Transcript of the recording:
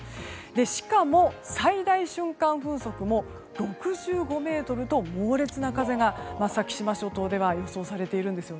しかも、最大瞬間風速も６５メートルと猛烈な風が先島諸島では予想されているんです。